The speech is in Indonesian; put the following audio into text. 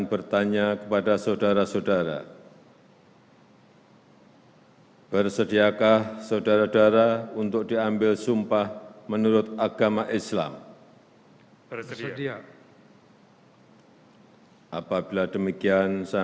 serta berbakti kepada masyarakat